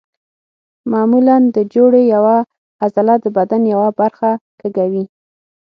معمولا د جوړې یوه عضله د بدن یوه برخه کږوي.